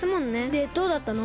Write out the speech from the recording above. でどうだったの？